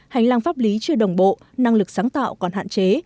hành lang pháp lý chưa đồng bộ năng lực sáng tạo còn hạn chế